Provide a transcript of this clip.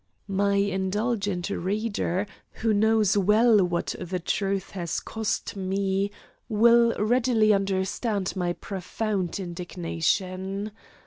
My indulgent reader, who knows well what the truth has cost me, will readily understand my profound indignation.